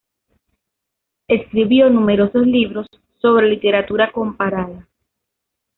Escribió numerosos libros sobre literatura comparada.